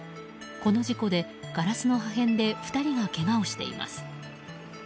この事故で、ガラスの破片で２人がけがをしています。